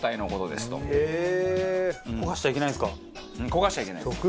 焦がしちゃいけないんですか？